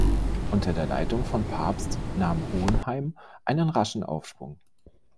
Unter der Leitung von Pabst nahm Hohenheim einen raschen Aufschwung.